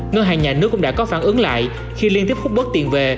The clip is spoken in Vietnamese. ngân hàng nhà nước cũng đã có phản ứng lại khi liên tiếp khúc bớt tiền về